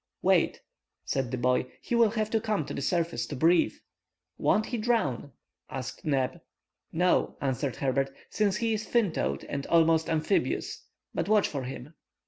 "Wait,", said the boy, "he will have to come to the surface to breathe." "Won't he drown?" asked Neb. "No," answered Herbert, "since he is fin toed and almost amphibious. But watch for him."